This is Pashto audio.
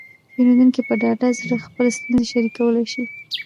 پیرودونکي په ډاډه زړه خپله ستونزه شریکولی شي.